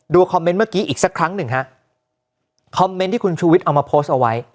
คอมเมนต์เมื่อกี้อีกสักครั้งหนึ่งฮะคอมเมนต์ที่คุณชูวิทย์เอามาโพสต์เอาไว้